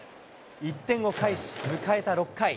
１点を返し、迎えた６回。